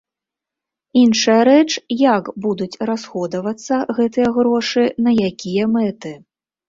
Іншая рэч, як будуць расходавацца гэтыя грошы, на якія мэты.